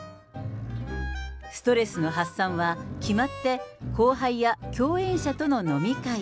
ストレスの発散は、決まって後輩や共演者との飲み会。